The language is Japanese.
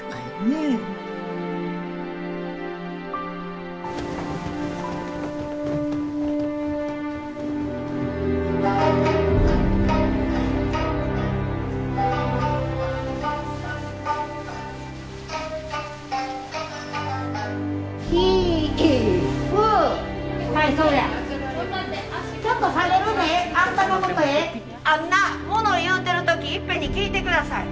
あんな物を言うてる時いっぺんに聞いて下さい。